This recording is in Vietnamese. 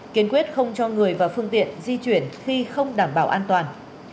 năm kiến quyết không cho người và phương tiện di chuyển khi không đảm bảo an toàn